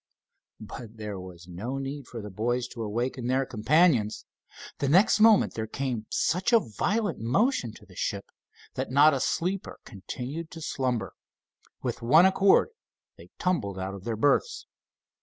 But there was no need for the boys to awaken their companions. The next moment there came such a violent motion to the ship that not a sleeper continued to slumber. With one accord they tumbled out of their berths.